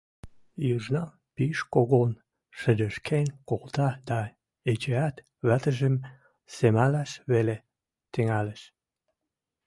Южнам пиш когон шӹдешкен колта дӓ эчеӓт вӓтӹжӹм семӓлӓш веле тӹнгӓлеш.